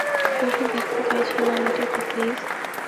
শুধু দেখতে চাইছিলাম এটা কী, প্লিজ!